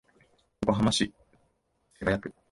横浜市瀬谷区